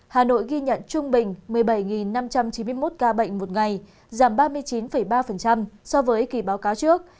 hà nội ghi nhận trung bình một mươi bảy năm trăm chín mươi một ca bệnh một ngày giảm ba mươi chín ba so với kỳ báo cáo trước